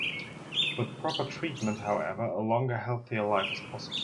With proper treatment, however, a longer, healthier life is possible.